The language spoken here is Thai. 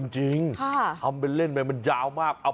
จริงทำเป็นเล่นยาวมาก